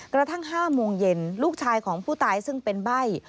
กระทั่ง๕โมงเย็นลูกชายของผู้ตายซึ่งเป็นใบ้